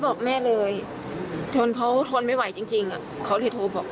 ถามต่อกับอะไรถึงคนก่อเหตุมั้ยค่ะ